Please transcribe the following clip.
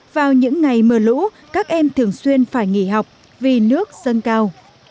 vào những ngày mưa lũ các em thường xuyên phải nghỉ học vì nước dâng cao